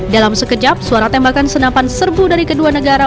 dalam sekejap suara tembakan senapan serbu dari kedua negara